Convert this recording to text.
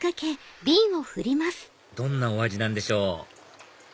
どんなお味なんでしょう？